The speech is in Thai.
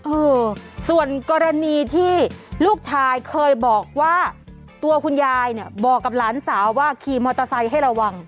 เออส่วนกรณีที่ลูกชายเคยบอกว่าตัวคุณยายเนี่ยบอกกับหลานสาวว่าขี่มอเตอร์ไซค์ให้ระวัง